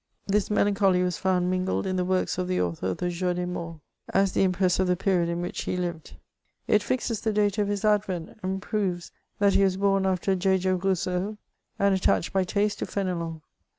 This melancholy was found mingled in the works of the author of the Jour des MorlSy* as the impress of the period in which he lived ; it fixes the date of his advent, and proves that he was bom after J. J. Rous seau, and attached by taste to Fenelon.